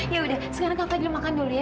ya udah sekarang kak fadil makan dulu ya